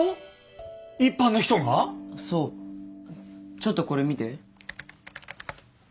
ちょっとこれ見て。